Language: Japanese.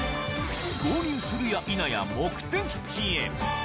合流するや否や、目的地へ。